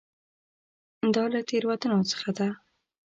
دا له تېروتنو څخه ده.